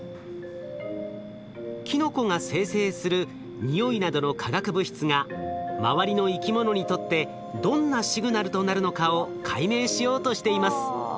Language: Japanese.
キノコが生成する匂いなどの化学物質が周りの生き物にとってどんなシグナルとなるのかを解明しようとしています。